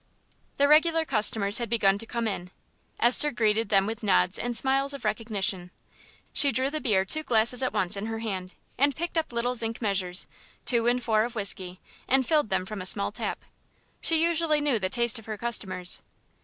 The regular customers had begun to come in. Esther greeted them with nods and smiles of recognition. She drew the beer two glasses at once in her hand, and picked up little zinc measures, two and four of whisky, and filled them from a small tap. She usually knew the taste of her customers.